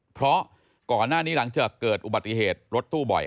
เพราะก่อนหน้านี้หลังจากเกิดอุบัติเหตุรถตู้บ่อย